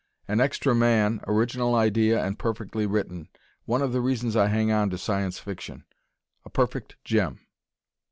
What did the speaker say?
"An Extra Man" original idea and perfectly written. One of the reasons I hang on to Science Fiction. A perfect gem.